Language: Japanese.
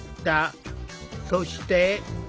そして。